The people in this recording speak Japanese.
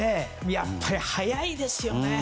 やっぱり速いですよね。